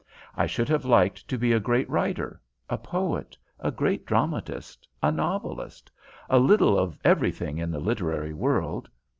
I should have liked to be a great writer, a poet, a great dramatist, a novelist a little of everything in the literary world.